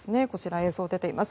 映像が出ています。